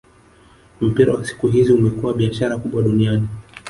Mpira wa siku hizi umekuwa biashara kubwa duniani